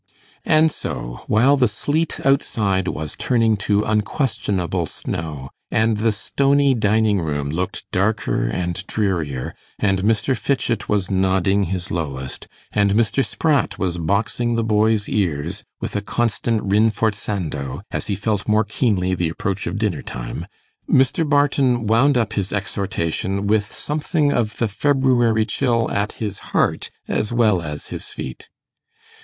And so, while the sleet outside was turning to unquestionable snow, and the stony dining room looked darker and drearier, and Mr. Fitchett was nodding his lowest, and Mr. Spratt was boxing the boys' ears with a constant rinforzando, as he felt more keenly the approach of dinner time, Mr. Barton wound up his exhortation with something of the February chill at his heart as well as his feet.